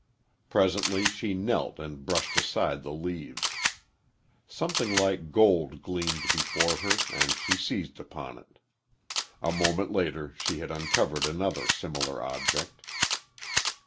Presently she knelt and brushed aside the leaves. Something like gold gleamed before her and she seized upon it. A moment later she had uncovered another similar object.